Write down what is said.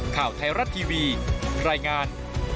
ข่าวไทยรัฐทีวีรายงาน